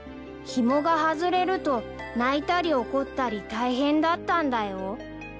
［ひもが外れると泣いたり怒ったり大変だったんだよ］